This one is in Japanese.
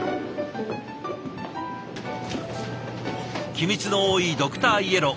機密の多いドクターイエロー。